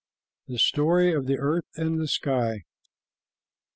THE STORY OF THE EARTH AND THE SKY.